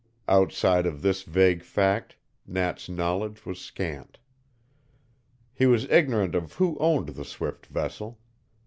Outside of this vague fact, Nat's knowledge was scant. He was ignorant of who owned the swift vessel.